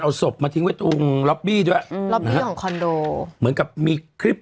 เอาสบมาทิ้งไว้ตรงด้วยอืมของคอนโดเหมือนกับมีคลิป